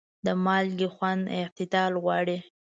د مالګې خوند اعتدال غواړي.